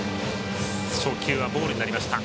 初球はボールになりました。